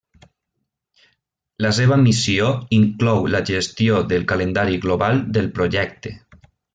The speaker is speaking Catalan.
La seva missió inclou la gestió del calendari global del projecte.